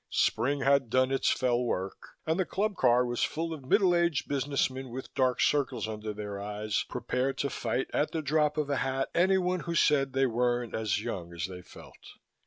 Spring had done its fell work and the club car was full of middle aged business men, with dark circles under their eyes, prepared to fight at the drop of a hat anyone who said they weren't as young as they felt.